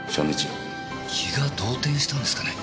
気が動転したんですかね。